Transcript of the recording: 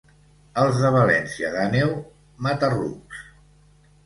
Els de València d'Àneu, mata-rucs.